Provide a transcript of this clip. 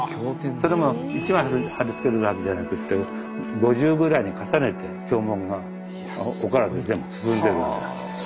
それも一枚貼り付けるわけじゃなくて５重ぐらいに重ねて経文がお体を全部包んでる。